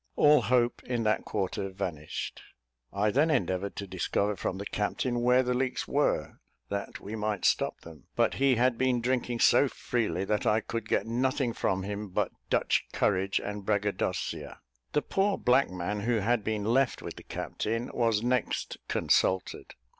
All hope in that quarter vanished. I then endeavoured to discover from the captain where the leaks were, that we might stop them; but he had been drinking so freely, that I could get nothing from him but Dutch courage and braggadocia. The poor black man, who had been left with the captain, was next consulted.